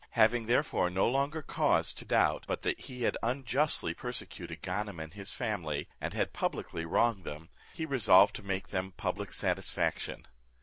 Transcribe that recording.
Having therefore no longer cause to doubt but that he had unjustly persecuted Ganem and his family, and had publicly wronged them, he resolved to make them public satisfaction.